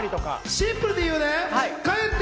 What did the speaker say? シンプルに言うね、帰って！